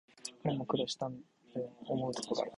彼も苦労したぶん、思うところがある